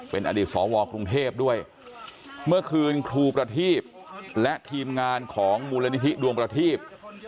เป็นอดีตสวกรุงเทพด้วยเมื่อคืนครูประทีบและทีมงานของมูลนิธิดวงประทีบ